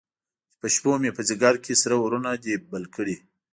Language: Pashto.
چې په شپومې، په ځیګر کې سره اورونه دي بل کړی